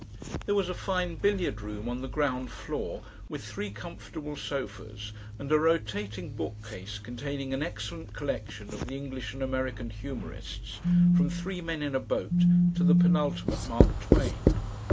There was a fine billiard room on the ground floor with three comfortable sofas and a rotating bookcase containing an excellent collection of the English and American humorists from THREE MEN IN A BOAT to the penultimate Mark Twain.